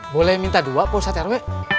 boleh minta dua pak ustaz t r w